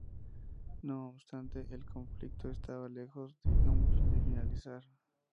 No obstante, el conflicto estaba lejos aún de finalizar.